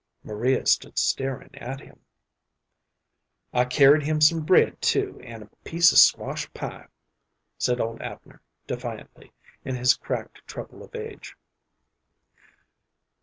Maria stood staring at him. "I carried him some bread, too, an' a piece of squash pie," said old Abner, defiantly, in his cracked treble of age.